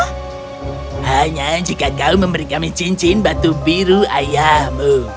hanya jika kau memberi kami cincin batu biru ayahmu